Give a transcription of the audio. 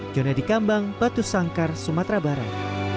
jona di kambang batu sangkar sumatera barat